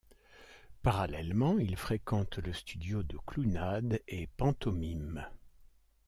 Parallèlement il fréquente le studio de clownade et pantomime.